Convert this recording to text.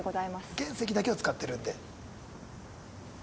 原石だけを使ってるんで。